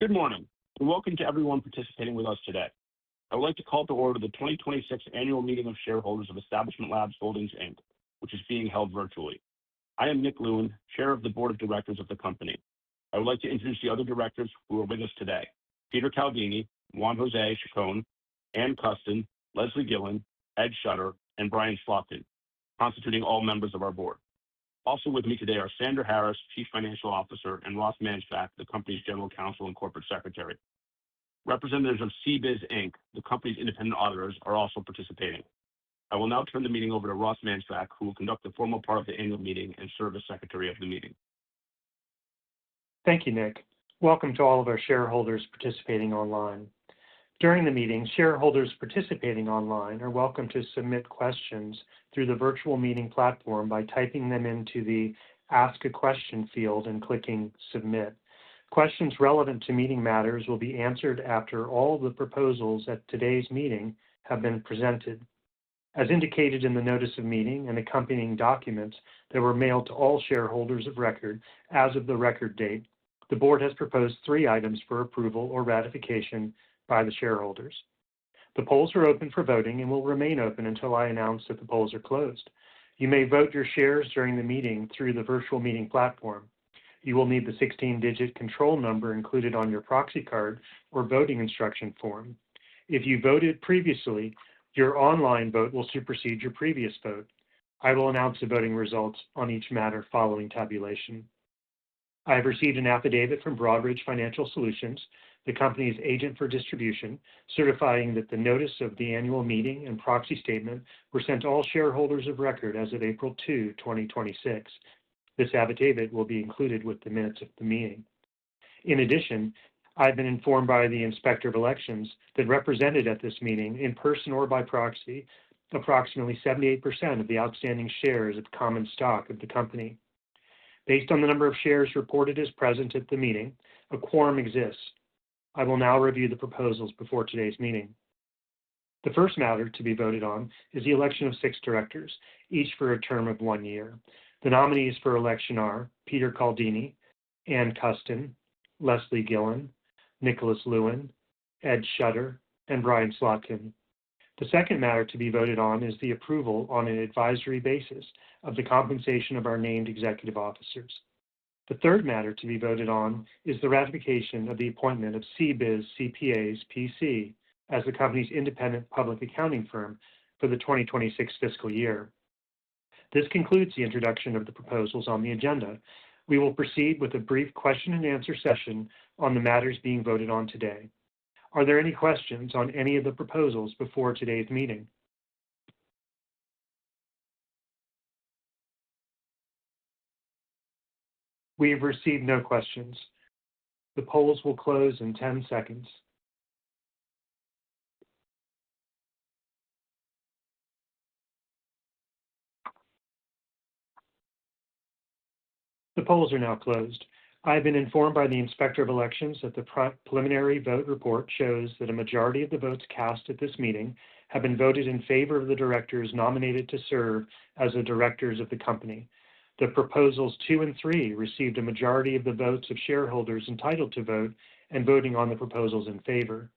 Good morning, and welcome to everyone participating with us today. I would like to call to order the 2026 Annual Meeting of Shareholders of Establishment Labs Holdings Inc., which is being held virtually. I am Nick Lewin, Chair of the Board of Directors of the company. I would like to introduce the other directors who are with us today, Peter Caldini, Juan José Chacón-Quirós, Ann Custin, Leslie Gillin, Edward Schutter, and Bryan Slotkin, constituting all members of our board. Also with me today are Cassandra Harris, Chief Financial Officer, and Ross Mansbach, the company's General Counsel and Corporate Secretary. Representatives of CBIZ, Inc., the company's independent auditors, are also participating. I will now turn the meeting over to Ross Mansbach, who will conduct the formal part of the annual meeting and serve as secretary of the meeting. Thank you, Nick. Welcome to all of our shareholders participating online. During the meeting, shareholders participating online are welcome to submit questions through the virtual meeting platform by typing them into the Ask a Question field and clicking Submit. Questions relevant to meeting matters will be answered after all the proposals at today's meeting have been presented. As indicated in the notice of meeting and accompanying documents that were mailed to all shareholders of record as of the record date, the board has proposed three items for approval or ratification by the shareholders. The polls are open for voting and will remain open until I announce that the polls are closed. You may vote your shares during the meeting through the virtual meeting platform. You will need the 16-digit control number included on your proxy card or voting instruction form. If you voted previously, your online vote will supersede your previous vote. I will announce the voting results on each matter following tabulation. I have received an affidavit from Broadridge Financial Solutions, the company's agent for distribution, certifying that the notice of the annual meeting and proxy statement were sent to all shareholders of record as of April 2, 2026. This affidavit will be included with the minutes of the meeting. In addition, I've been informed by the Inspector of Elections that represented at this meeting, in person or by proxy, approximately 78% of the outstanding shares of common stock of the company. Based on the number of shares reported as present at the meeting, a quorum exists. I will now review the proposals before today's meeting. The first matter to be voted on is the election of six directors, each for a term of one year. The nominees for election are Peter Caldini, Ann Custin, Leslie Gillin, Nicholas Lewin, Edward Schutter, and Bryan Slotkin. The second matter to be voted on is the approval on an advisory basis of the compensation of our named executive officers. The third matter to be voted on is the ratification of the appointment of CBIZ CPAs, P.C. as the company's independent public accounting firm for the 2026 fiscal year. This concludes the introduction of the proposals on the agenda. We will proceed with a brief question and answer session on the matters being voted on today. Are there any questions on any of the proposals before today's meeting? We've received no questions. The polls will close in 10 seconds. The polls are now closed. I have been informed by the Inspector of Elections that the preliminary vote report shows that a majority of the votes cast at this meeting have been voted in favor of the directors nominated to serve as the directors of the company. The proposals two and three received a majority of the votes of shareholders entitled to vote and voting on the proposals in favor.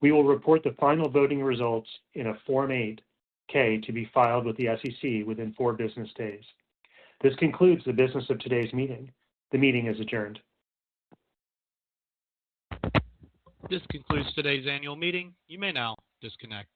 We will report the final voting results in a Form 8-K to be filed with the SEC within four business days. This concludes the business of today's meeting. The meeting is adjourned. This concludes today's annual meeting. You may now disconnect.